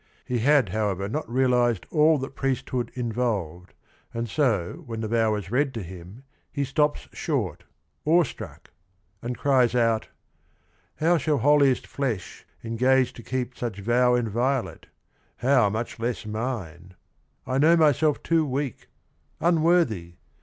He had, however, not realized all that priesthood involved, and so when the vow was read to him he stops short, awestruck, and cries out: "How shall holiest flesh Engage to keep such vow inviolate, How much less mine, — I know myself too weak, Unworthy.